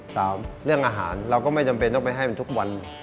เรื่องอาหารเราก็ไม่จำเป็นต้องไปให้มันทุกวัน